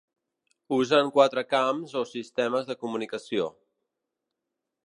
Usen quatre camps o sistemes de comunicació.